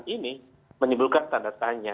ini menimbulkan standar tanya